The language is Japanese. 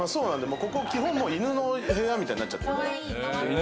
ここは基本、犬の部屋みたいになっちゃってるから。